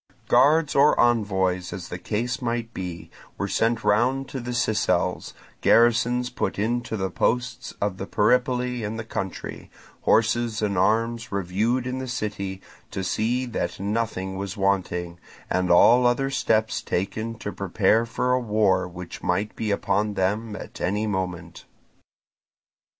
Guards or envoys, as the case might be, were sent round to the Sicels, garrisons put into the posts of the Peripoli in the country, horses and arms reviewed in the city to see that nothing was wanting, and all other steps taken to prepare for a war which might be upon them at any moment.